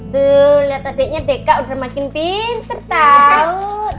tuh lihat adiknya deka udah makin pinter tau